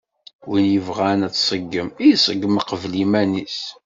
Win yebɣan ad tṣeggem, iṣeggem qbel iman-is.